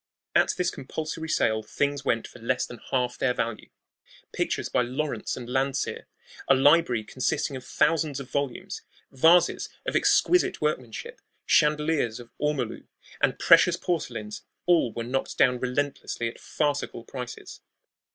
At this compulsory sale things went for less than half their value. Pictures by Lawrence and Landseer, a library consisting of thousands of volumes, vases of exquisite workmanship, chandeliers of ormolu, and precious porcelains all were knocked down relentlessly at farcical prices.